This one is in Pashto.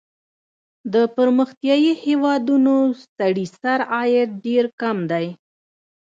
د پرمختیايي هېوادونو سړي سر عاید ډېر کم دی.